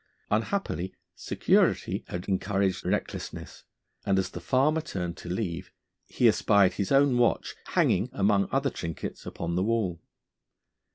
Unhappily security had encouraged recklessness, and as the farmer turned to leave he espied his own watch hanging among other trinkets upon the wall.